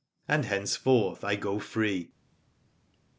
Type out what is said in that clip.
And henceforth I go free.